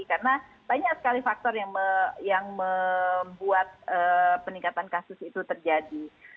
karena banyak sekali faktor yang membuat peningkatan kasus itu terjadi